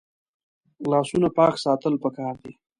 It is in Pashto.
لاسونه پاک ساتل پکار دي